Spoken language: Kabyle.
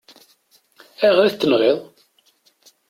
Ayɣer i t-tenɣiḍ?